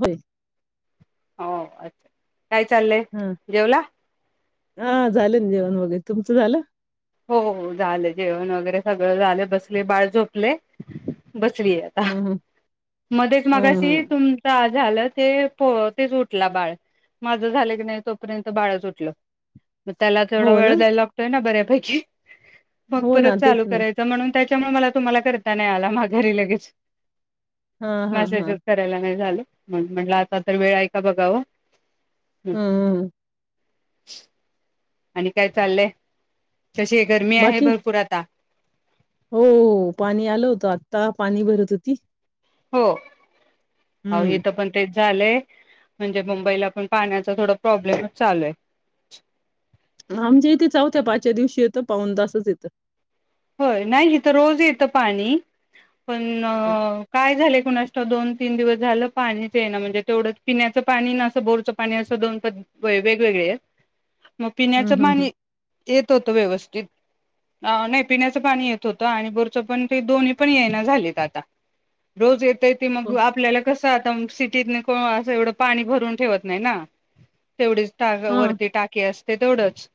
होय हो अ काय चाललय हा जेवला? हा झालं ना जेवण वगैरे तुमच झालं? हो हो झालं जेवण वगैरे सगळं झालं, बसले, बाळ झोपले. बसलीय ह आता ह मध्येच ह मगाशी ह तुमचा झालं ते पो तेच उठला बाळ माझं झालं की नाही तोपर्यंत बाळच उठलं. मग त्याला केवढा हो ना वेळ द्याय लागतोय ना बरे शी. बग हो परत ना तेच चालू ना करायचा म्हणून त्या त्यामुळ मला तुम्हाला करता नाही आला मा घरी लगेच. हा हा हा मेसेजच करायला नाही झालं. म्हण म्हटलं आता तर वेळ आहे का बघाव? हम्म. ह [inaudible] आणि काय चाललंय? तशी गरमी आहे बाकी भरपूर आता. हो पाणी आलं होतं, आता पाणी भरत होती. हो! अवो हम्म इथ पण तेचं. झालंय म्हणजे मुंबईला, पण पाण्याचा थोड प्रॉब्लेमच चालू आहे. आमच्या इथे चौथ्या, पाचव्या, दिवशी येतं पाऊन तासच येतं. होय नाही इथं रोज येत पाणी. पण काय झाले. कुणास ठाऊक दोन तीन दिवस झालं पाणीच येई ना, म्हणजे तेवढं पिण्याचं पाणी ना, असं बोरचं पाणी, असं दोन प वेगवेगळे आहेत. मग हम्म पिण्याचं पाण? हम्म येत होत व्यवस्थित, अ नाही. पिण्याच पाणी येत होत, आणि बोरचं पण, ते दोन्ही पण येई ना झालेत आता रोज ये ते ती हो मग आपल्याला कसं त आता म सिटीत न कोण, असं एवढं पाणी भरून ठेवत नाही ना. तेवढीच टाका, हा वरती टाकी अस ते तेवढंच.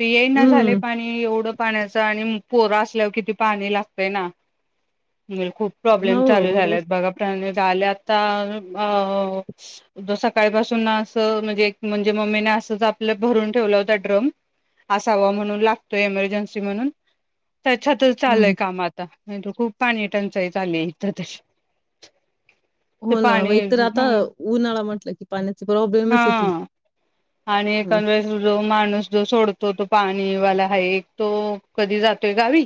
येई ना झाले हम्म पाणी एवढं. पाण्या चं आणि पोर असल्यावर, किती पाणी लागतयं ना. म्हणून खूप प्रॉब्लेम हो चालू बरोबर झालेत बघा प्राण्य आले आता अ सकाळपासून ना असं म्हणजे, मम्मी नी असचं आपलं भरून ठेवला होता ड्रम, असावा म्हणून लागतोय इमेरजेन्सी ला. म्हणून? त्याच्यातच चालयं हम्म काम आता. नाही तरं खूप पाणी टंचाई, चालयी इथं तशी. ते हो ना मगं पाणी एकतर आता उन्हाळा म्हटलं, की पाण्याचे प्रॉब्लेमच येतील. हा आणि एखाद्य वेळेस, जो माणूस जो सोडतो तो पाणीवाला हाए एक तो कधी जातोय गावी,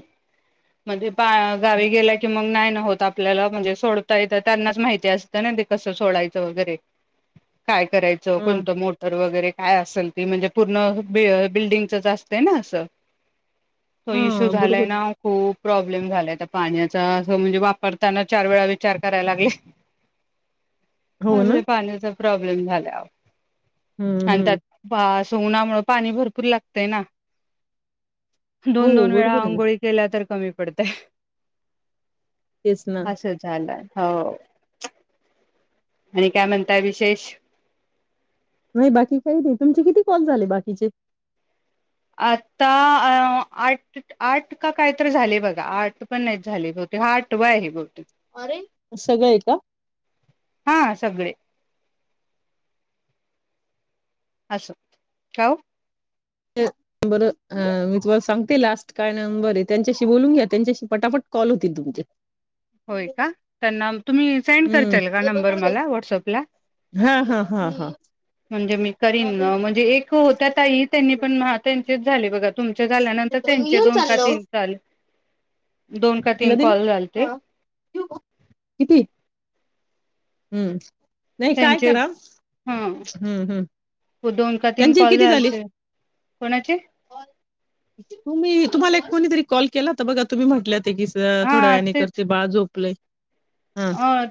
म्हणजे पा गावी गेला कि मग नाही न होत आपल्याला म्हणजे सोडता येत त्यांनाच माहिती असतं ना ते कसं सोडायचं वगैरे. काय करायचं हा कोणतं मोटर वगैरे कायं असल ते म्हणजे पूर्ण बिल्डीगंचं असतेना असं. तो इश्यू, हा झालाय बरोबर ना आहे खूप. प्रॉब्लेम झालाय आता पाण्याचा, असं म्हणजे वापरताना चार वेळा विचार करायला लागले. हो आज ना ही पाणी चा. प्रॉब्लेम झाला आव हम्म अंन हम्म त्यात पास उन्हामुळ, पाणी भरपूर लागतय ना. हो दोन, दोन वेळा बरोबर आहे ना आंघोळी केल्या तर कमी पडते. तेच ना आसं झाल हा ओ आणि काय म्हणताय विशेष. नाही बाकी काही नाही तुमचे किती कॉल झाले बाकीचे? अत्ता आ आठ आठ का काय तर झाले बघा, आठ पण नाही झाले बते हा आठवा आहे ब अरे! सगळं आहे का. हा सगळे असं ठेवू. [unintelligible] बरं हा मी तुम्हाला सांगती लास्ट काय नंबर आहे. त्यांच्याशी बोलून घ्या त्यांच्याशी पटापट कॉल होतील तुमचे. होय का, त्यांना तुम्ही सेंड हम्म करताल का नंबर मला वॉट्सअपला? हा हा हा हा म्हणजे मी करीन अ म्हणजे एक होत्या ताई त्यांनी पन हा तेन तेच झाले बघत. तुमच्या झाल्यानंतर त्यांचे दोन का तीन जाले. दोन का तीन कॉल झाल्लते. दिऊ का? किती. हम्म. नाही काय त्यांचे करा ह हम् हम् दोन का तीन त्यांची कॉल किती झाली. झालते कोणाचे कॉल, तुम्ही तुम्हाला एक कोणीतरी कॉल केला होता बघा तुम्ही म्हटल्यात. ते किस हा थोड्या वेळानी करते तेच बाळ झोपलय. अ,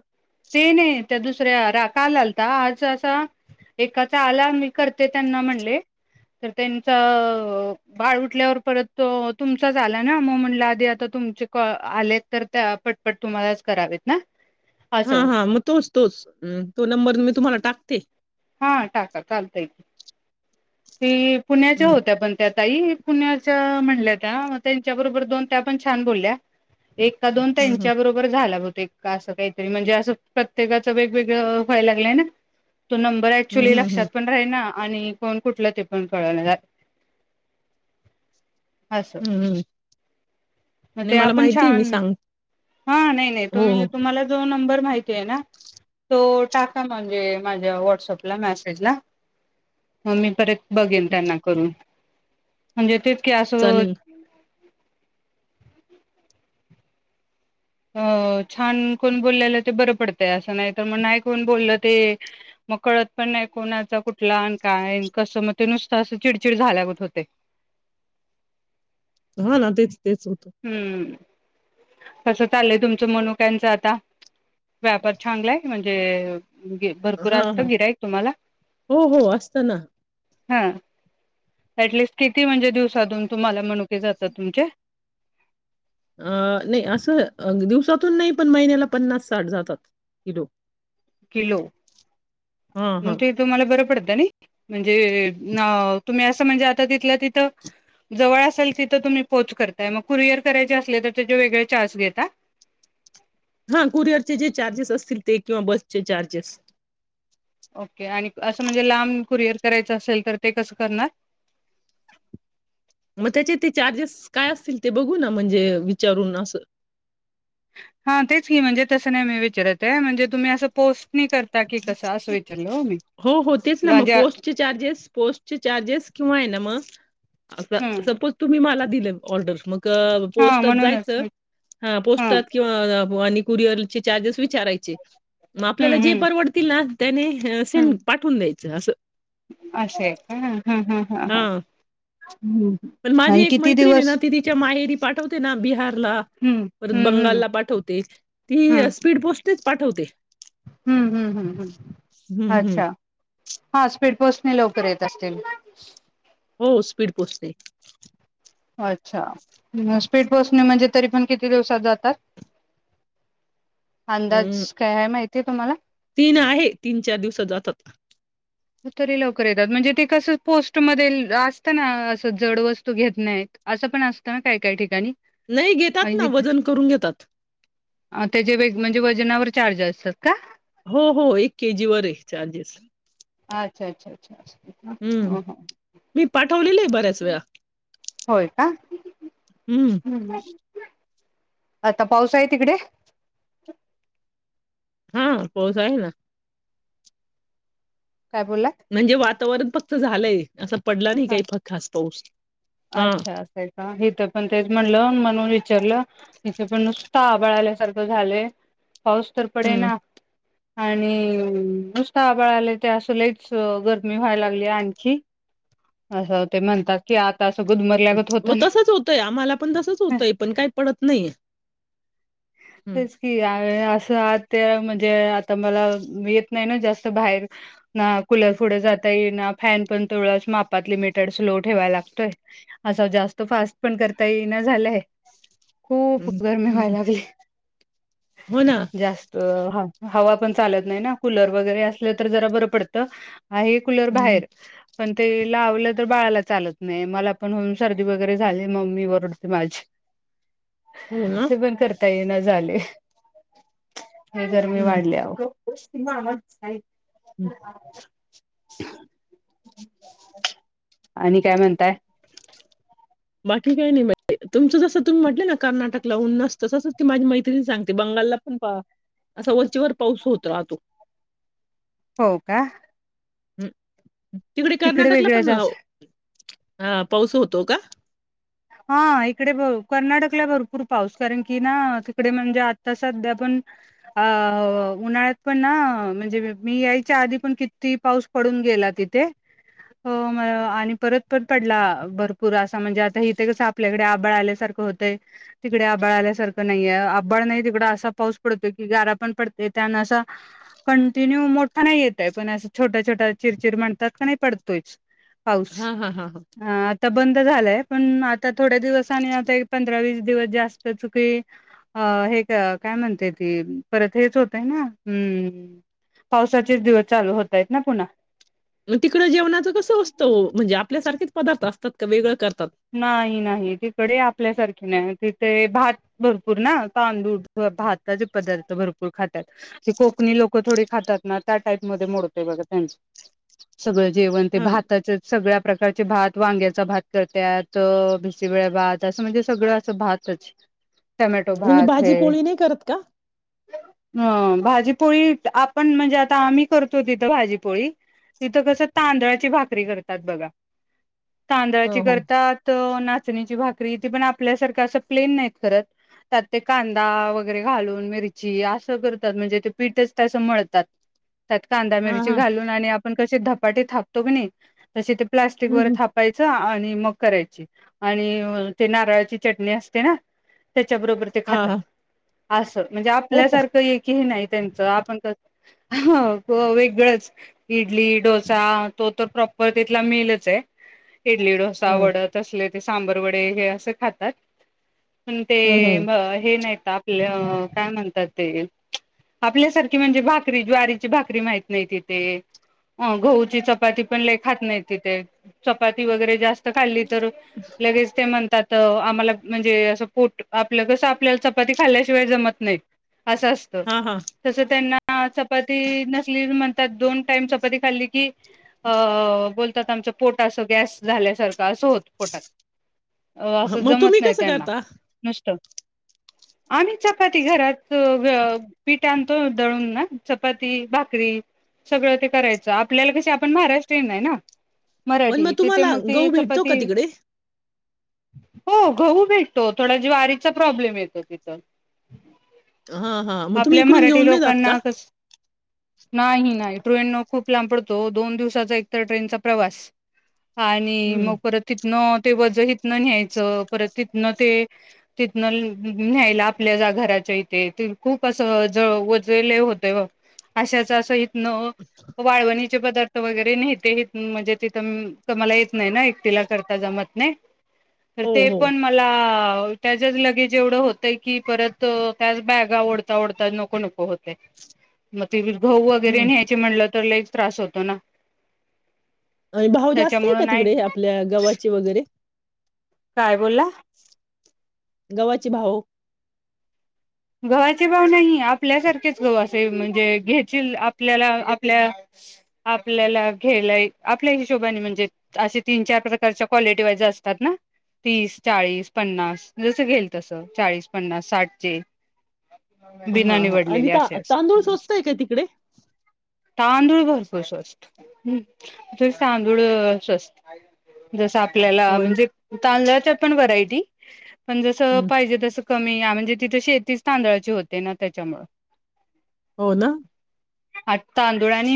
ते ने त्या दुसऱ्या रा का काल आलता आज असा एकाचा आला मी करते त्यांना म्हणले, तर त्यांचा अ बाळ उठल्यावर परत तो तुमचाच आला ना म म्हणलं आधी आता तुमचे कॉ आले तर त्या पटपट तुम्हालाच करावेत. ना. हा, असं हा मग तोच तोच तो नंबर मी तुम्हाला टाकते. हा टाका चालतय. ती पुन्याच्या हम्म, होत्या पण त्यात ताई, पुण्याच्या म्हणल्या त्या म त्यांच्या बरोबर दोन त्या पण छान बोलल्या. एक का दोन हम्म, त्यांच्या बरोबर झाला बघ. ते का असं ते तरी म्हणजे असं प्रत्येकाचं वेगवेगळं व्हायला लागलंय ना. तो नंबर हम्म, ऍक्च्युली हम्म, लक्षात हम्म, पण राही ना आणि कोण कुठलं ते पण कळना झा हं हम्म. म नाही ते मला आपण माहिती आहे, मी छान सांग हा नाइ नाइ हो तुमी हो तुम्हाला जो नंबर माहितीये ना तो टाका म्हणजे माझ्या वॉटसपला मॅसेजला म मी परत बघेन त्यांना करून. म्हणजे तेच की आस चालेल अ छान कोण बोललेलं ते बरं पडतय असं नाही तर मग नाय कोण बोललं ते मग कळत पण नाही कोणाचा कुठला अन काय न कसं मग ते नुसतं असं चिडचिड झाल्यागत होतय. ना. हा ना तेच तेच होतं हम्म. कसं चाललंय तुमचं मनुक्यांच आता व्यापार छांगलाय म्हणजे भरपूर हा हा असतं गिरायक तुम्हाला हो हो असत ना हा ॲटलिस्ट किती म्हणजे दिवसांतून तुम्हाला मनुके जातात तुमचे अ नई असं दिवसातून नाही पण महिन्याला पन्नास साठ जातात किलो. किलो हां, म हां. ते तुम्हाला बरं पडत तनी म्हणजे अ तुम्ही अस म्हणजे आता जीथल्या तिथ जवळ असल तिथ तुम्ही पोच करताय म कुरिअर करायचे असले त त्याचे वेगळे र्चास घेता. हां, कुरिअरचे जे चार्जेस असतील ते किंवा बसचे चार्जेस ओके आणि असं म्हणजे लांब कुरिअर करायचं असेल तर ते कसं करणार. म त्याचे ते चार्जेस काय असतील ते बघू ना म्हणजे विचारून असं हा तेच की म्हणजे तस नाही मी विचतये म्हणजे तुम्ही अस पोस्ट हो होतेच ना मग म्हणजे पोस्ट चार्जेस पोस्टचे चार्जेस किंवा हे ना म अस हं सपोज तुम्ही मला दिलत ऑर्डस् मग क हा पोस्टात जायच म्हणूनच हा पोस्टात किंवा व आणि कुरिअर चे चार्जेस विचारायचे. म आपल्याला जे हम्म तीला त्यानी त असेन पाठवून दे. च असं. अस ये का. हा हम्म पण माझी आणि एक किती मैतिणी ना दिवस ती तिच्या माहेरी पाठवते ना बिहारला हम्म परत हम्म हम्म बंगालला पाठवते हम्म ती स्पीड पोस्ट नेच पाठवते. हम्म हम्म हम्म हम्म हम्म अच्छा हा स्पीड पोस्ट ने लवकर येत असतील. हो स्पीड पोस्टने अच्छा म स्पीड पोस्टने म्हणजे तरी पण किती दिवसात जातात. हम्म. अंदाज काय हाय माहित. ते तुम्हाला तीन आहे तीन, चार दिवसात जातात. तरी लवकर येतात म्हणजे ते कसं पोस्ट मध्ये असतं ना असं जड वस्तू घेत नाहीत असं पण असतं ना काय काय ठिकाणी. नई घेतात ना वजन करून घेतात. आं त्याचे वेग म्हणजे वजनावर चार्ज असतात का? हो-हो, एक केजी वर ए चार्जेस. आ, अच्छा-अच्छा-अच्छा-अछ हम्म, मी पाट ठेवलेलाय बऱ्याच वेळा. होय का. हम्म हम् आता पाऊस आय तिकडे? हां, पाऊस आहे ना. काय बोलला म्हणजे वातावरण फक् क्त झालंय असं पडला नाही काही फक् खास पाऊस. हा आच्छा असाय का? हितं पण तेच म्हणलं म्हणून विचारलं. इथं पण नुसता आभाळ आल्या स् सारखं झालंय. पाऊस तर पडे हम्म ना. आणि, नुसतं आभाळ आला ते असं लयच गरमी व्हायलागल्या आणखी. असं, ते म्हणतात की आत अ मग तसच होतंय आम्हाला पण तसच ना होतंय पण काही पडत नही ए. तेच की आ य आस त्या ते म्हणजे आता मला येत नाही ना जास्त बाहेर. ना कूलर फुडे जाता येईना. फॅन पण तेव्हढाच मापात लिमटड स्लो ठेवाय लागतोय. असं जास्त फास्ट पण करता येईना झालय. खूप गरमी व्हाय हम्म लागलीय. हो ना अं हा, हवा पण चालत नाही ना कूलर वगैरे असलं तर जरा बरं पडतं. आहे कुलर हं, बाहेर, पण ते लावलं तर बाळाला चालत नाही, मला पण होन सर्दी वगैरे झाली मम्मी वरडते माझी. हो ना. ते पण कर [unintelligible] झाले लय गरमी हं, वाढलिया आओ. हं. [unintelligible] [inaudible] आणि काय म्हणताय? ठीक ए आणि [unintelligible] तुमचं जसं तुम्ही म्हटले ना कर्नाटकला उन असतं, तसंच ती माझी मैत्रिण सांगते बंगालला पण पा असं वरचेवर पाऊस होत राहतो. हो का? हम्. तिकडे कर्नाटकला वेगळेच पण अस हा पाऊस होतो का? हा इकडे कर्नाटकला भरपूर पाऊस कारण की ना तिकडे म्हणजे आता सध्या पण अ उन्हाळ्यात पण ना म्हणजे मी यायच्या आधी पण किती पाऊस पडून गेला तिथे आणि परत पण पडला भरपूर असा म्हणजे आता इथं. ते कसं आपल्याकडे आभाळ आल्यासारखं होतंय तिकडे आभाळ आल्यासारखं नाहीये आभाळ नाही तिकड असा पाऊस पडतोय की गारा पण पडते त्याना असा कंटिन्यू मोठा नाही येतयं पण असं छोट्या छोट्या चिरचिर म्हणतात का नाही पडतोयचं. पाऊस हां, हां, हां, हां. ह आता बंद झालंय पण आता थोड्या दिवस आणि आता एक पंधरा वीस दिवस जास्त चुकी अ हे का काय म्हणते ती परत हेच होतय ना हम् पावसाचेच दिवस चालू होतय ना पुन्हा मग तिकडं जेवणाच कसं असतं वं म्हणजे आपल्याारखेच पदार्थ असतात का वेगळं कर. नाही नाही तिकडे आपल्यासारखं. नाही तिथे भात भरपूर ना तांदूळ भाताचे पदार्थ भरपूर खातात. ते कोकणी लोक थोडी खातात ना त्या टाईप मोडते बघा त्यांच सगळं जेवण ते हां, भाताच्या सगळ्या प्रकारचे भात व वाग्याचा भात करत. त्यात भिसवळ भात असं म्हणजे सगळं असं भातच टमॅटो म्हणजे भात भाजी हे पोळी नाही करत का? ह भाजीपोळी आपण म्हणजे आता आम्ही करतो तिथं भाजीपोळी तिथं कसं तांदळाची भाकरी करतात बघा. तांदळाची हो, कर हो. तात नाचणीची भाकरी ती पण आपल्यासारख असं प्लेन नाहीत करत त्यात ते कांदा वगैरे घालून मिरची असं करतात म्हणजे ते पीठच तसं मळतात. त्यात कांदा हां, मिरची हां. घालून आणि आपण कसे धपाटे थापतो की नाही. तसे ते प्लस्टिक हं, वर हं. थापायचं आणि मग करायची आणि ते नारळाची चटणी असते ना. त्याच्याबरोबर ते हां, खातात हां. असं म्हणजे हो का? आपल्यासारखं एकही नाही. त्यानंच आपण कसं वेगळच इडली डोसा तो टर प्रॉपर मेन चं आहे तिथलं इडली ता हं, वड तसलं ते सांबर. हे अस खातात. पण ते हं, हं. हे नाहीत आपल्या काय म्हणतात आपल्यासारखी म्हणजे भाकरी ज्वारीची भाकरी माहीत नाही तिथे गहूची चपाती पण खात नाही तिथे चपाती वगैरे ते जास्त त खाल्ली तर लगेच ते म्हण. त्यात आम्हाला म्हणजे असं पोट आपलं कसं आपल्याला चपाती खाल्ल्याशिवाय जमत नाहीत. असं असत हां, हां. तस त्यांना हा चपाती नसली म्हणतात दोन टाइम चपाती खाल्ली की अ बोलतात आमचं पोट असं गॅस झाल्यासारखं का असं होत पोटात अ हं, असं मग जमत तुम्ही नाही कसं त्यांना करता? नुसत आम्ही चपाती घरात पिठ आणतो. दळून ना? चपाती भाकरी सगळ ते करायच आपल्याला कस आपण महाराष्ट्रीयनये ना? पण मग मराठी तिथे तुम्हाला गहू ती भेट तो का चपाती तिकडे? हो.. गहू भेटतो. थोडा ज्वारीचा प्रॉब्लेम येतोय तिथ? हा.. हा. मग तुम्ही इकडून घेऊन नही जात का? लोकांना कस नाही.. नाही. ट्रेन न खूप लांब पडत हो.. दोन दिवसाचा एकतर ट्रेनचा प्रवास. हा आणि म हं. तिथनं ते वझही तिथन न्यायच परत तिथ न ते तिथन न्यायला आपल्याला घराच्या इथे खूप अस वझ लई होत हो. अशाच अस न.. वाळवनी चे पदार्थ वगैरे नेते येत.. म्हणजे तिथ आम्हाला येत नाय ना? तिला करता जमत नाही? तर.. हो, ते हो. पण मला त्याचच लगेज एवढ होतय की? परत त्याच बॅगा ओढता ओढता नको नको होतय. गहू वगैरे हं. न्यायचे म्हणल तर लईच त्रास होतो ना? भाव जास्तये त्याच्यामुळे का नाही तिकडे? आपल्या गव्हाची वगैरे काय बोलला? गव्हाचे भाव गव्हाचे भाव नाहीये. आपल्या सारखेच गहू असे म्हणजे घेतील. आपल्याला आपल्या आपल्याला घ्यायला आपल्या हिशोबाने म्हणजे असे तीन चार प्रकारच्या क्वालिटी वाईज असतात ना. तीस चाळीस पन्नास जस घेईल तस चाळीस पन्नास साठचे हा.. बिना हा. आणि निवडलेले ता असे तांदूळ असत स्वस्तये का तिकडे? तांदूळ भरपूर स्वस्त. तांदूळ स्वस्त जस आप त्याला हो ना. म्हणजे तांदळाच्या पण वरायटी ती.. पण जस हं. पाहिजे तस कमी या म्हणजे तिथ शेत तीच तांदळाची होतेना. त्याच्यामुळे हो.. ना? आठ तांदूळानी